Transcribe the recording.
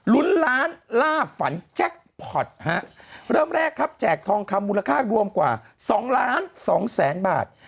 ลุ้นล้านล่าฝันแจ็คพอร์ตฮะเริ่มแรกครับแจกทองคำมูลค่ารวมกว่าสองล้านสองแสนบาท